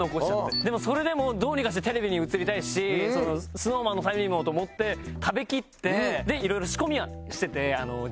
でもそれでもどうにかしてテレビに映りたいしＳｎｏｗＭａｎのためにもと思って食べきってで色々仕込みをしてて自分のネタで。